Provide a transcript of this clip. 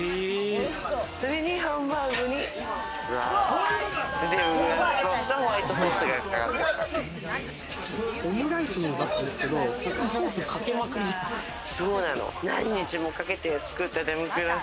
それにハンバーグに、デミグラスソースとホワイトソースがかかってます。